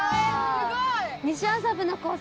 すごい！